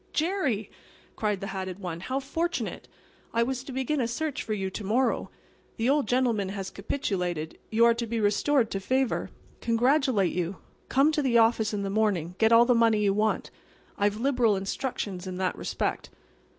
"Jerry!" cried the hatted one. "How fortunate! I was to begin a search for you to morrow. The old gentleman has capitulated. You're to be restored to favor. Congratulate you. Come to the office in the morning and get all the money you want. I've liberal instructions in that respect."